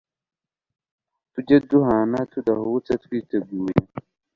tujye duhana tudahubutse, twiteguye